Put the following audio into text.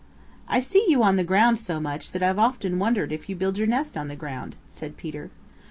"I see you on the ground so much that I've often wondered if you build your nest on the ground," said Peter.